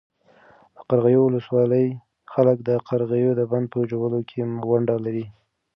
د قرغیو ولسوالۍ خلک د قرغې د بند په جوړولو کې ونډه لري.